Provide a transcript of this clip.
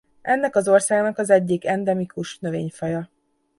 Ennek az országnak az egyik endemikus növényfaja.